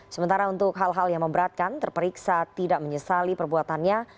sementara untuk hal hal yang memberatkan terperiksa tidak menyesali perbuatannya